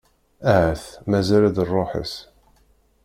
Ahat mazal-d rruḥ-is.